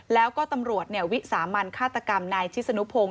แล้วก็ตำรวจวิสามันฆาตกรรมนายชิสนุพงศ